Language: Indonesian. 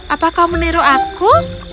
apa kau meniru aku